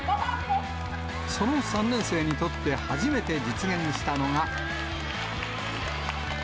その３年生にとって初めて実現したのが。